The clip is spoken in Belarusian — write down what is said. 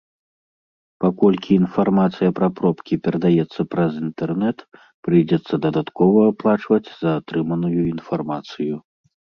Паколькі інфармацыя пра пробкі перадаецца праз інтэрнэт, прыйдзецца дадаткова аплачваць за атрыманую інфармацыю.